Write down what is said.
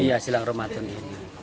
iya jelang ramadan ini